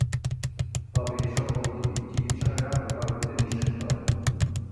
তবে এ সব পদ্ধতি চিকিৎসকরা ব্যবহার করতে নিষেধ করেন।